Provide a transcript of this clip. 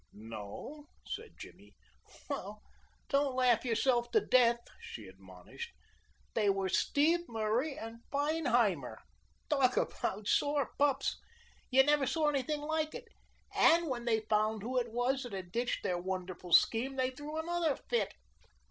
"No," said Jimmy. "Well, don't laugh yourself to death," she admonished. "They were Steve Murray and Feinheimer. Talk about sore pups! You never saw anything like it, and when they found who it was that had ditched their wonderful scheme they threw another fit.